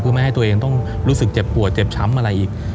เพื่อไม่ให้ตัวเองต้องรู้สึกเจ็บปวดเจ็บช้ำอะไรอีก